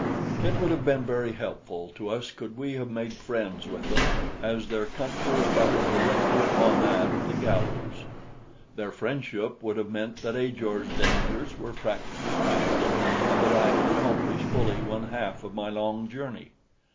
It would have been very helpful to us could we have made friends with them, as their country abutted directly upon that of the Galus. Their friendship would have meant that Ajor's dangers were practically passed, and that I had accomplished fully one half of my long journey.